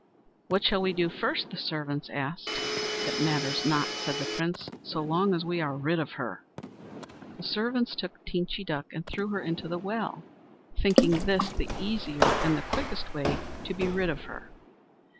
"What shall we do first?" the servants asked. "It matters not," said the Prince, "so long as we are rid of her." The servants took Teenchy Duck and threw her into the well, thinking this the easier, and the quickest way to be rid of her.